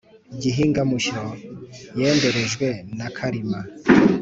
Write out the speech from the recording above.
gihinga mushyo yenderejwe nakarima.